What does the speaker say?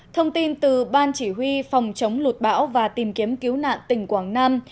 thông tin từ ban chỉ huy phòng chống lụt bão và tìm kiếm cứu nạn tỉnh quảng nam